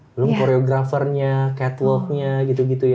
belum choreografernya catwalknya gitu